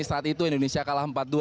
saat itu indonesia kalah empat dua